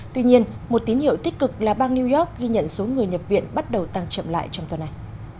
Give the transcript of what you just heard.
tuy nhiên một tín hiệu tích cực là bang new york ghi nhận số người nhập viện bắt đầu tăng chậm lại trong tuần này